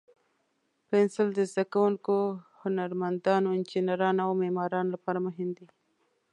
پنسل د زده کوونکو، هنرمندانو، انجینرانو، او معمارانو لپاره مهم دی.